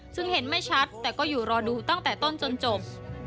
ซึ่งเห็นไม่ชัดแต่ก็อยู่รอดูตั้งแต่ต้นจนจบ